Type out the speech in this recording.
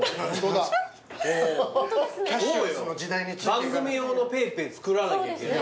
番組用のＰａｙＰａｙ作らなきゃいけない。